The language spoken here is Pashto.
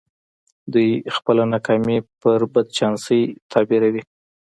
دوی خپله ناکامي پر بد چانسۍ تعبيروي.